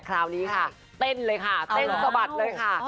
คราวนี้ค่ะเต้นเลยค่ะเต้นสะบัดเลยค่ะ